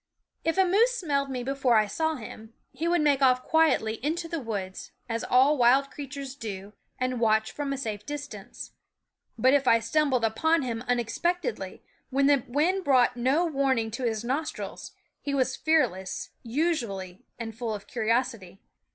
If a moose smelled me before I saw him, he would make off quietly into the woods, as all wild creatures do, and watch from a safe distance. But if I stumbled upon him SCHOOL Of unexpectedly, when the wind brought no 1/fiJQiiensw/s warnm * n ^ s nos trils, he was fearless, usually, and full of curiosity.